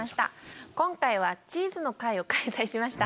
今回はチーズの会を開催しました。